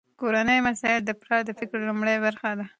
کورني مسایل د پلار د فکر لومړنۍ برخه ده.